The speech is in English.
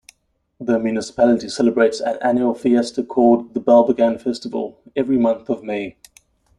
The municipality celebrates an annual fiesta called "The Balbagan Festival" every month of May.